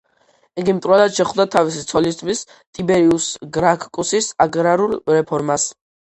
იგი მტრულად შეხვდა თავისი ცოლისძმის, ტიბერიუს გრაკქუსის აგრარულ რეფორმას.